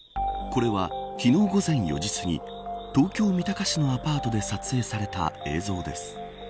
これは昨日、午前４時すぎ東京、三鷹市のアパートで撮影された映像です。